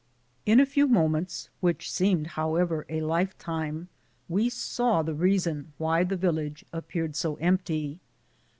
In a few moments, which seemed however a lifetime, we saw the reason why the village appeared so empty.